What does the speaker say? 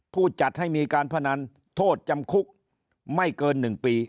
ผู้จัดให้มีการพนันโทษจำคุกไม่เกิน๑ปี